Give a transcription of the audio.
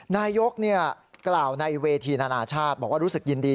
นายกเศรษฐาพิเศษเกลาในเวทีนาชาติบอกว่ารู้สึกยินดี